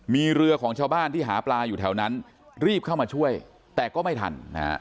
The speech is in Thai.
มีเรือของชาวบ้านที่หาปลาอยู่แถวนั้นรีบเข้ามาช่วยแต่ก็ไม่ทันนะฮะ